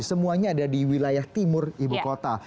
semuanya ada di wilayah timur ibu kota